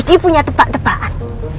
kiki punya tebak tebakan